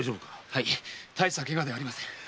はい大したケガではありません。